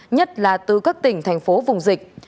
nhất là từ các tỉnh thành phố vùng dịch